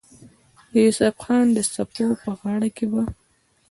د يوسف خان د سپو پۀ غاړه کښې به